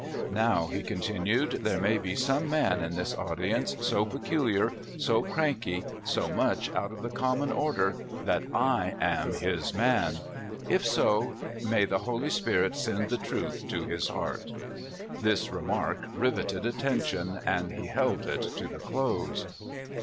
Now," he continued, " there may be some man in this audi ence so peculiar, so cranky, so much out of the common order, that I imi his man. If so, may the Holy Spirit send the truth to his heart!" This remark riveted attention, and he held it to the close.